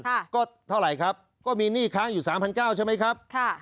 ลบ๒๐๐๐ก็เท่าไหร่ครับก็มีหนี้ค้างอยู่๓๙๐๐ใช่ไหมครับ